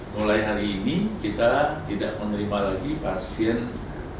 mulai hari ini kita tidak menerima lagi pasien covid